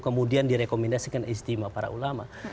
kemudian direkomendasikan istimewa para ulama